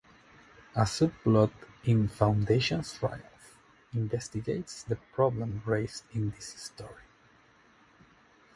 A subplot in "Foundation's Triumph" investigates the problem raised in this story.